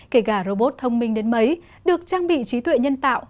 kể cả robot thông minh đến mấy được trang bị trí tuệ nhân tạo